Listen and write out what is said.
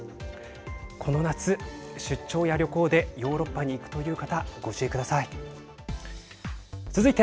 この夏、出張や旅行でヨーロッパに行くという方ご注意ください。